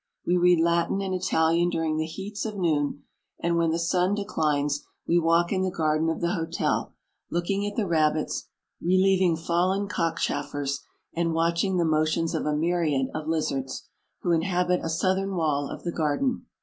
We read Latin and Italian dur ing the heats of noon, and when the sun declines we walk in the garden of the hotel, looking at the rabbits, re lieving fallen cockchafFers, and watch ing the motions of a myriad of lizards, who inhabit a southern wall of the gar den.